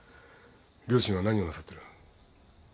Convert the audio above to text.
両親は何をなさってる。